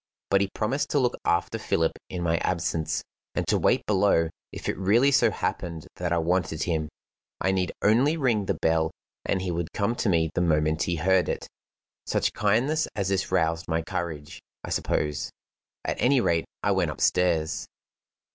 But he promised to look after Philip in my absence, and to wait below if it really so happened that I wanted him. I need only ring the bell, and he would come to me the moment he heard it. Such kindness as this roused my courage, I suppose. At any rate, I went upstairs.